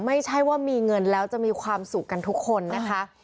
ไม่ใช่ว่ามีเงินแล้วจะมีความสุขกันทุกคนนะคะ